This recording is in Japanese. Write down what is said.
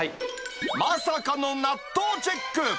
まさかの納豆チェック。